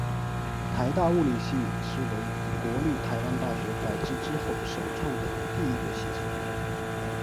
台大物理系是为国立台湾大学改制之后首创的第一个系所。